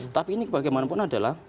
tapi ini bagaimanapun adalah